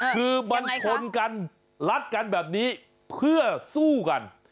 คือมันชนกันลัดกันแบบนี้เพื่อสู้กัน